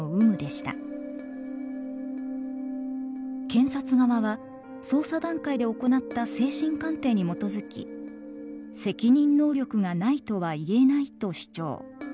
検察側は捜査段階で行った精神鑑定に基づき「責任能力が無いとはいえない」と主張。